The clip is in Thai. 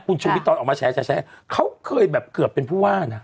คุณชูวิทย์ตอนออกมาแชร์เขาเคยแบบเกือบเป็นผู้ว่านะ